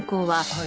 はい。